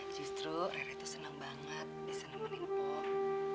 justru rere tuh senang banget disenang senangin pok